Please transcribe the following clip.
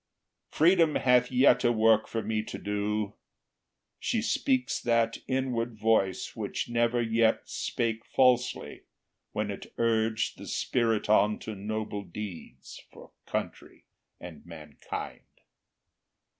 Freedom hath yet a work for me to do; So speaks that inward voice which never yet Spake falsely, when it urged the spirit on To noble deeds for country and mankind.